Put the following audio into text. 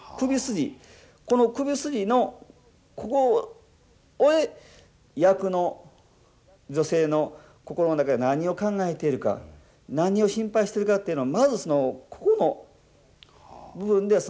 この首筋のここへ役の女性の心の中で何を考えているか何を心配してるかっていうのをまずここの部分でその。